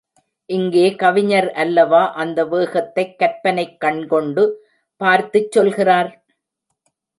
இங்கே கவிஞர் அல்லவா அந்த வேகத்தைக் கற்பனைக் கண்கொண்டு பார்த்துச்சொல்கிறார்?